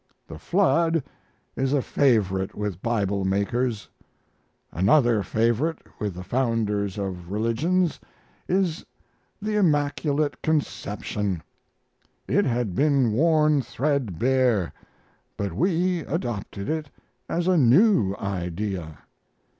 The flood is a favorite with Bible makers. Another favorite with the founders of religions is the Immaculate Conception. It had been worn threadbare; but we adopted it as a new idea.